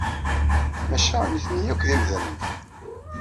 Maca nitni akk d imdanen.